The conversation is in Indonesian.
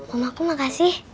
om akung makasih